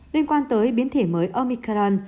liên quan tới biến thể mới omicron